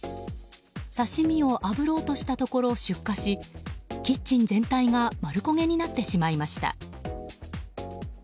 刺し身をあぶろうとしたところ出火しキッチン全体が丸焦げになってしまいました。